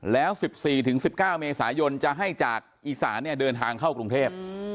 แล้ว๑๔๑๙เมษายนจะให้จากอีสานเดินทางเข้ากรุงเทพ